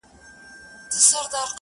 د سترګو کي ستا د مخ سُرخي ده